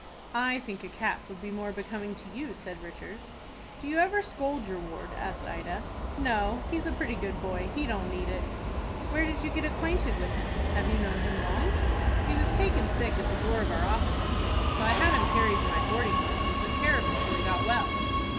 "I think a cap would be more becoming to you," said Richard. "Do you ever scold your ward?" asked Ida. "No, he's a pretty good boy. He don't need it." "Where did you get acquainted with him? Have you known him long?" "He was taken sick at the door of our office one day. So I had him carried to my boarding place, and took care of him till he got well."